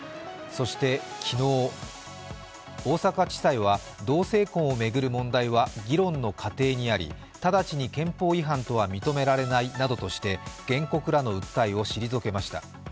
そして昨日、大阪地裁は同性婚を巡る問題は議論の過程にあり直ちに憲法違反とは認められないなどとして原告らの訴えを退けました。